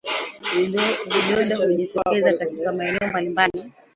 Vidonda hujitokeza katika maeneo mbalimbali